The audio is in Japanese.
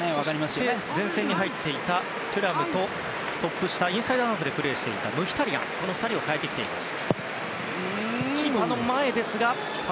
そして前線に入っていたテュラムとトップ下、インサイドハーフでプレーしていたムヒタリアンの２人を代えています。